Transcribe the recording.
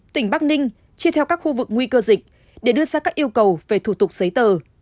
tỉnh bắc ninh chia theo các khu vực nguy cơ dịch để đưa ra các yêu cầu về thủ tục giấy tờ